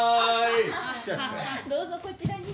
どうぞこちらに。